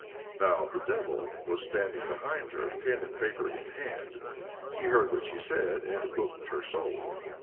Now the devil "was standing behind her, pen and paper in hand. He heard what she said, and booked her soul."